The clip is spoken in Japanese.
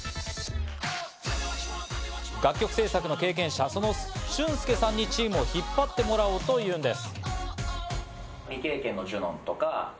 楽曲制作の経験者、そのシュンスケさんにチームを引っ張ってもらおうというんです。